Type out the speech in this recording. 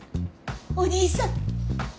お義兄さん。